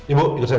ibu ikut saya